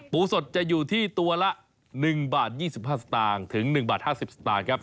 ปูสดจะอยู่ที่ตัวละ๑๒๕บาทถึง๑๕๐บาทครับ